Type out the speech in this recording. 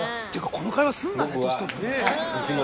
この会話すんだね年取っても。